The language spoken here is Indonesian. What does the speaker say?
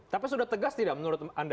tapi sudah tegas tidak menurut anda